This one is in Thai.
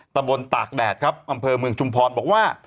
ตะบนตากแดดครับอำเภอเมืองชุมพรบอกว่า